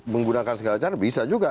menggunakan segala macam bisa juga